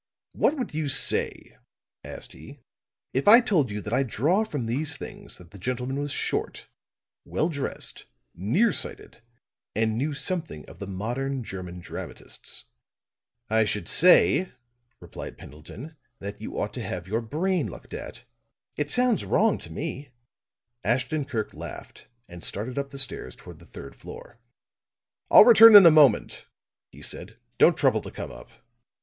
"What would you say," asked he, "if I told you that I draw from these things that the gentleman was short, well dressed, near sighted and knew something of the modern German dramatists." "I should say," replied Pendleton, firmly, "that you ought to have your brain looked at. It sounds wrong to me." Ashton Kirk laughed, and started up the stairs toward the third floor. "I'll return in a moment," he said. "Don't trouble to come up."